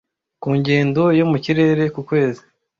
Ku ngendo yo mu kirere ku kwezi,